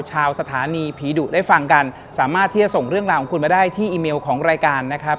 ชาวสถานีผีดุได้ฟังกันสามารถที่จะส่งเรื่องราวของคุณมาได้ที่อีเมลของรายการนะครับ